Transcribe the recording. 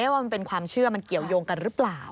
ว่ามันเป็นความเชื่อมันเกี่ยวยงกันหรือเปล่า